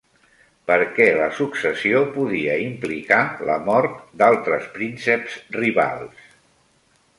Per què la successió podia implicar la mort d'altres prínceps rivals?